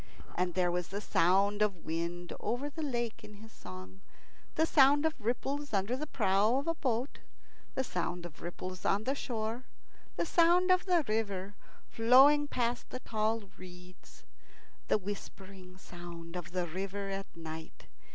And there was the sound of wind over the lake in his song, the sound of ripples under the prow of a boat, the sound of ripples on the shore, the sound of the river flowing past the tall reeds, the whispering sound of the river at night.